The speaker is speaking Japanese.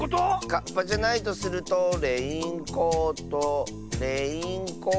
カッパじゃないとするとレインコートレインコート。